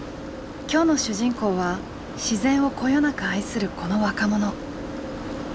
きょうの主人公は自然をこよなく愛するこの若者。